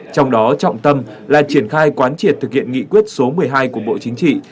trong đó trọng tâm là triển khai quán triệt thực hiện nghị quyết số một mươi hai của bộ chính trị